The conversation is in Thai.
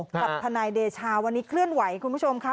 กับทนายเดชาวันนี้เคลื่อนไหวคุณผู้ชมค่ะ